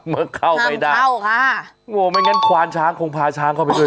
มักเข้าไปได้คราวค่ะอ๋อไม่งั้นควานช้างคงพาช้างเข้าไปด้วย